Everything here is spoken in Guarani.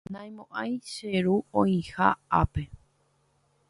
naimo'ãi che ru oĩha ápe